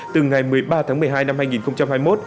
từ ngày một mươi ba tháng một mươi hai năm hai nghìn hai mươi một